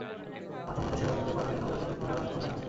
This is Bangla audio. মানসম্মত সেবা দিতে পারলে নবজাতক মৃত্যুর হার অনেক কমিয়ে আনা সম্ভব।